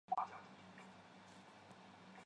它是金属锆提纯的重要中间体。